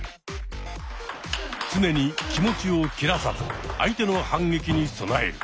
常に気持ちを切らさず相手の反撃に備える。